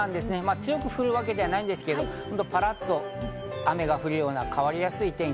強く降るわけではないんですけど、ぱらっと雨が降るような変わりやすい天気。